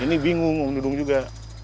ini bingung mau dudung juga